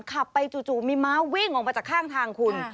ขับไปจู่มีม้าวิ่งออกมาจากข้างทางคุณ